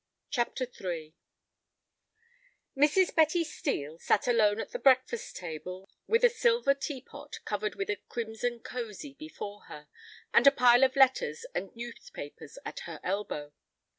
CHAPTER III Mrs. Betty Steel sat alone at the breakfast table with a silver teapot covered with a crimson cosy before her, and a pile of letters and newspapers at her elbow.